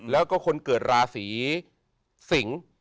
แล้วก็คนเกิดราศีสิงศ์